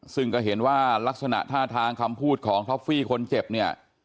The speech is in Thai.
ซึ่งก็เห็นว่ารักษณะท่าทางคำพูดของท็อฟฟี่คนเจ็บเนี่ย